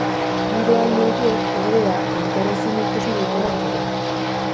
Bi dohain horiek, ordea, elkar ezin ikusi dutenak dira.